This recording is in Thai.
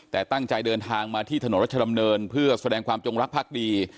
แต่ตั้งใจเดินทางมาที่ถนนรัชดำเนินเพื่อแสดงความจงรักภักดี